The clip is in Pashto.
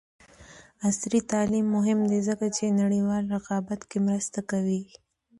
عصري تعلیم مهم دی ځکه چې نړیوال رقابت کې مرسته کوي.